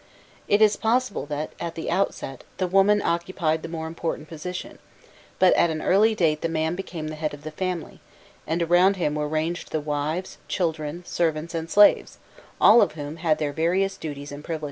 It is possible that, at the outset, the woman occupied the more important position, but at an early date the man became the head of the family,* and around him were ranged the wives, children, servants, and slaves, all of whom had their various duties and privileges.